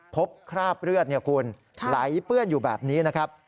คราบเลือดคุณไหลเปื้อนอยู่แบบนี้นะครับ